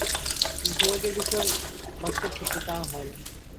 কিন্তু সৌভাগ্যের বিষয় বাস্তব ক্ষেত্রে তাহা হয় না।